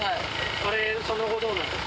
それ、その後、どうなんですか。